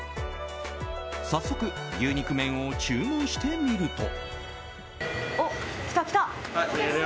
早速、牛肉麺を注文してみると。